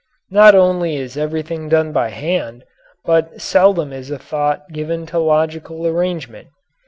Not only is everything done by hand, but seldom is a thought given to logical arrangement.